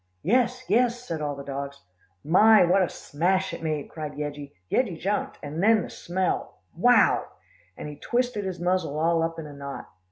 "Yes! yes!" said all the dogs. "My! what a smash it made," cried Yeggie. "Yeggie jumped, and then the smell wow!" and he twisted his muzzle all up in a knot.